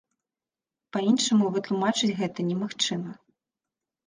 Па-іншаму вытлумачыць гэта немагчыма.